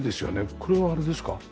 これはあれですか？